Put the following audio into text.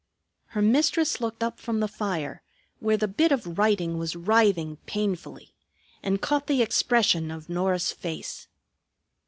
Her mistress looked up from the fire, where the bit of writing was writhing painfully, and caught the expression of Norah's face.